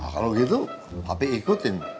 kalau gitu papi ikutin